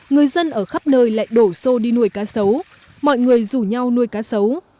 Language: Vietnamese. người dân ở khắp nơi lại đổ xô đi nuôi cá sấu mọi người rủ nhau nuôi cá sấu